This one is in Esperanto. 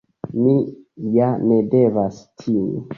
Mi ja ne devas timi.